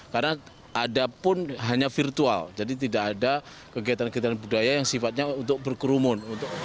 karena ada pun hanya virtual jadi tidak ada kegiatan kegiatan budaya yang sifatnya untuk berkerumun